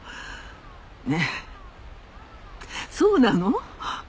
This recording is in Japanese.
ねえそうなの？